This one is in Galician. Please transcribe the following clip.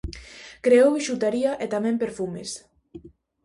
Creou bixutería e tamén perfumes.